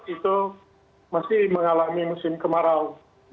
itu masih mengalami musim kemarau